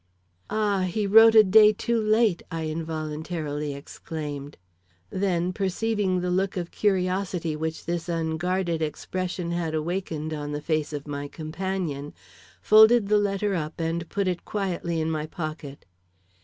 "Ah, he wrote a day too late!" I involuntarily exclaimed; then perceiving the look of curiosity which this unguarded expression had awakened on the face of my companion, folded the letter up and put it quietly in my pocket.